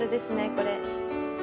これ。